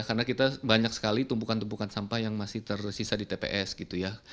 karena kita banyak sekali tumpukan tumpukan sampah yang masih tersisa di tps gitu ya